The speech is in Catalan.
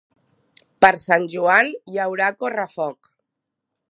Per Sant Joan hi haurà correfoc.